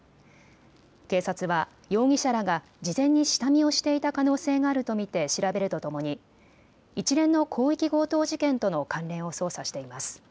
警察は容疑者らが事前に下見をしていた可能性があると見て調べるとともに一連の広域強盗事件との関連を捜査しています。